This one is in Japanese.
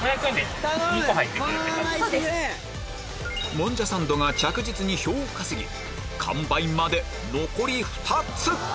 もんじゃサンドが着実に票を稼ぎ完売まで残り２つ！